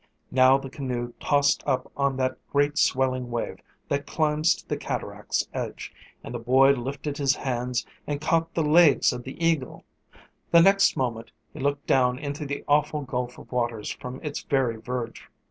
Now the canoe tossed up on that great swelling wave that climbs to the cataract's edge, and the boy lifted his hands and caught the legs of the eagle. The next moment he looked down into the awful gulf of waters from its very verge.